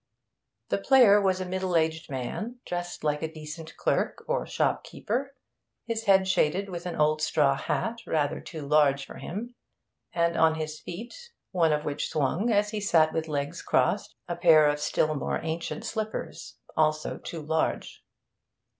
The player was a middle aged man, dressed like a decent clerk or shopkeeper, his head shaded with an old straw hat rather too large for him, and on his feet one of which swung as he sat with legs crossed a pair of still more ancient slippers, also too large.